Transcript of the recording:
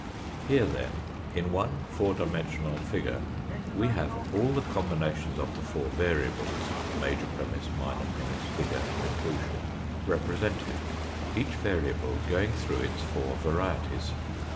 Here, then, in one four dimensional figure we have all the combinations of the four variables, major premiss, minor premiss, figure, conclusion, represented, each variable going through its four varieties.